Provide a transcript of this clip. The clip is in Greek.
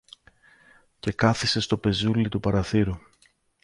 και κάθησε στο πεζούλι του παραθύρου